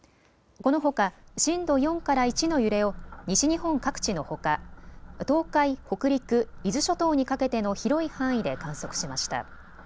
このほか震度４から１の揺れを西日本各地のほか東海、北陸、伊豆諸島にかけての広い範囲で観測しました。